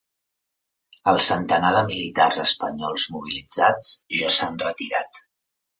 El centenar de militars espanyols mobilitzats ja s’han retirat.